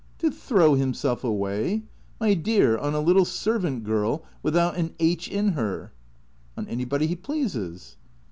" To throw himself away? My dear — on a little servant girl without an aitch in her?" " On anybody he pleases."